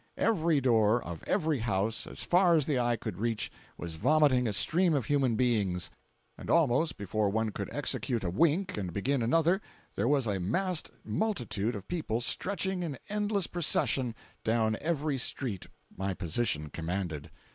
Every door, of every house, as far as the eye could reach, was vomiting a stream of human beings; and almost before one could execute a wink and begin another, there was a massed multitude of people stretching in endless procession down every street my position commanded.